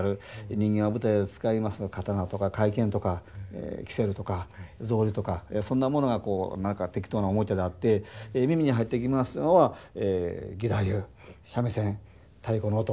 人形が舞台で使います刀とか懐剣とか煙管とか草履とかそんなものが何か適当なおもちゃであって耳に入ってきますのは義太夫三味線太鼓の音。